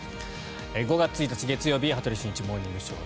５月１日、月曜日「羽鳥慎一モーニングショー」。